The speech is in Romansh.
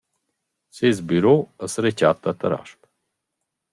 Seis büro as rechatta a Tarasp.